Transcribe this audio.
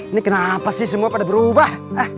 ini kenapa sih semua pada berubah